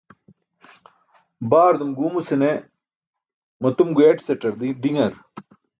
Baardum guumuse ne matum guyaṭisaṭar diṅar.